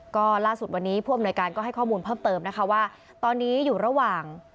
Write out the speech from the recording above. ก็ล่าสุดวันนี้ผู้อำนวยการก็ให้ข้อมูลเพิ่มเติมนะคะว่าตอนนี้อยู่ระหว่าง